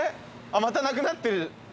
またなくなってる。